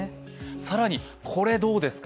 更に、これ、どうですか。